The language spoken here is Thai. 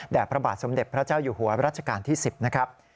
พระบาทสมเด็จพระเจ้าอยู่หัวรัชกาลที่๑๐นะครับ